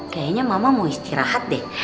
kayaknya mama mau istirahat deh